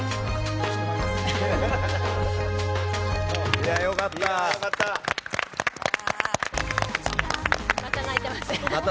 いやー良かった。